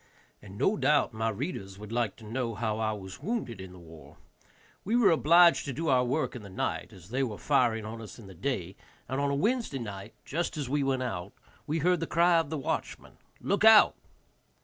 And no doubt my readers would like to know how I was wounded in the war. We were obliged to do our work in the night, as they were firing on us in the day, and on a Wednesday night, just as we went out, we heard the cry of the watchman. "Look out."